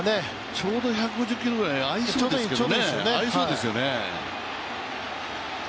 ちょうど１２０キロぐらいで合いそうですよね。